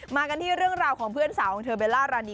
มากันที่เรื่องราวของเพื่อนสาวของเธอเบลล่ารานี